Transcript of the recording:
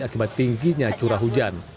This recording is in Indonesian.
akibat tingginya curah hujan